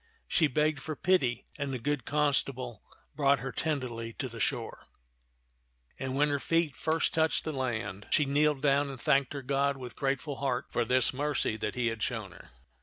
She begged for pity, and the good constable brought her tenderly to the shore. And 62 t^^ (man of Bm'b t(xk when her feet first touched the land, she kneeled down and thanked her God with grateful heart for this mercy that He had shown her.